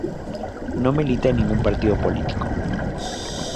No milita en ningún partido político.